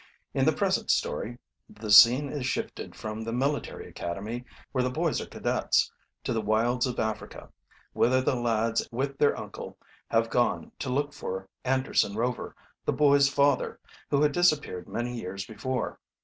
In the present story the scene is shifted from the military academy, where the boys are cadets, to the wilds of Africa, whither the lads with their uncle have gone to look for Anderson Rover, the boys' father, who had disappeared many years before.